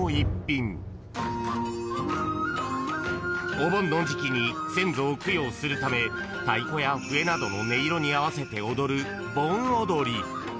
［お盆の時期に先祖を供養するため太鼓や笛などの音色に合わせて踊る］